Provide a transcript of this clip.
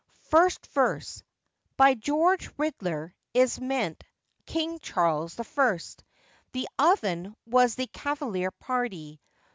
First Verse.—By 'George Ridler' is meant King Charles I. The 'oven' was the Cavalier party.